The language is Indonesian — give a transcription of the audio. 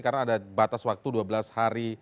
karena ada batas waktu dua belas hari yang dimaksudkan